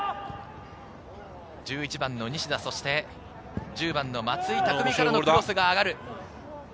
１１番の西田、そして１０番・松井匠からのクロスが上がる。